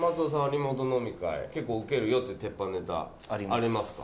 リモート飲み会結構ウケるよっていう鉄板ネタありますか？